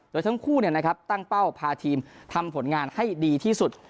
โดยทั้งคู่เนี่ยนะครับตั้งเป้าพาทีมทำผลงานให้ดีที่สุด